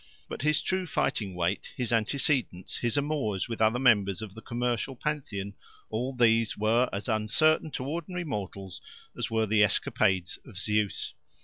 But his true fighting weight, his antecedents, his amours with other members of the commercial Pantheon all these were as uncertain to ordinary mortals as were the escapades of Zeus.